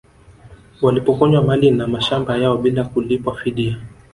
Walipokonywa mali na mashamba yao bila kulipwa fidia